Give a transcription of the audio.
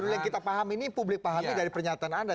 yang kita paham ini publik pahami dari pernyataan anda